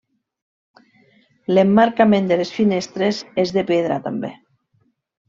L'emmarcament de les finestres és de pedra també.